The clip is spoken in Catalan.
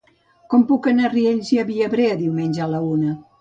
Com puc anar a Riells i Viabrea diumenge a la una?